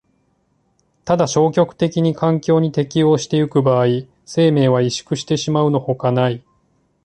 ただ消極的に環境に適応してゆく場合、生命は萎縮してしまうのほかない。